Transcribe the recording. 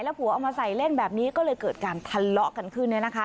แล้วผัวเอามาใส่เล่นแบบนี้ก็เลยเกิดการทะเลาะกันขึ้นเนี่ยนะคะ